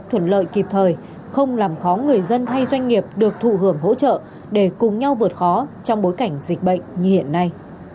hội đồng xét duyệt hồ sơ được thụ hưởng hỗ trợ để cùng nhau vượt khó trong bối cảnh dịch bệnh như hiện nay